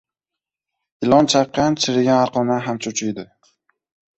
• Ilon chaqqan chirigan arqondan ham cho‘chiydi.